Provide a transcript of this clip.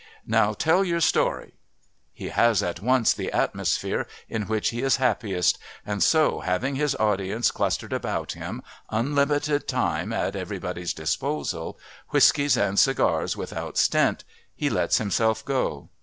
"Now tell your story." He has at once the atmosphere in which he is happiest, and so, having his audience clustered about him, unlimited time at everyone's disposal, whiskies and cigars without stint, he lets himself go.